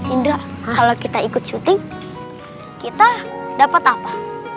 indra kalau kita ikut syuting kita dapat apa